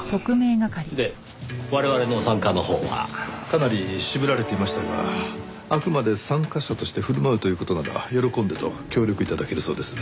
かなり渋られていましたがあくまで参加者として振る舞うという事なら喜んでと協力頂けるそうです。